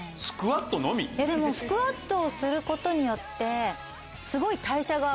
スクワットをすることによってすごい。